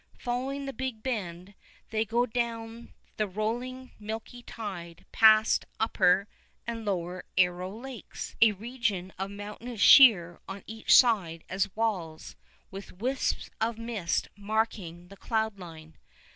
Following the Big Bend, they go down the rolling milky tide past Upper and Lower Arrow Lakes, a region of mountains sheer on each side as walls, with wisps of mist marking the cloud line.